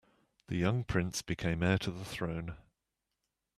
The young prince became heir to the throne.